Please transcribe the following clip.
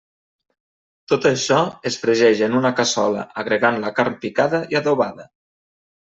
Tot això es fregeix en una cassola agregant la carn picada i adobada.